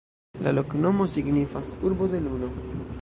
La loknomo signifas: Urbo de Luno.